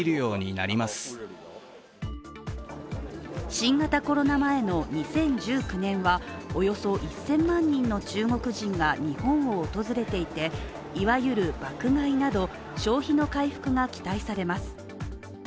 新型コロナ前の２０１９年は、およそ１０００万人の中国人が日本を訪れていていわゆる爆買いなど消費の回復が期待されます。